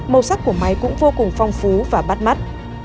màu sắc của máy cũng vô cùng phong phú và bắt mắt